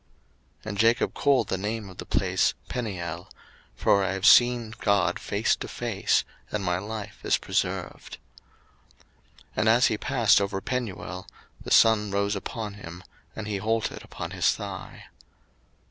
01:032:030 And Jacob called the name of the place Peniel: for I have seen God face to face, and my life is preserved. 01:032:031 And as he passed over Penuel the sun rose upon him, and he halted upon his thigh.